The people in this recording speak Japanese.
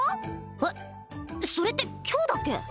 えっそれって今日だっけ！？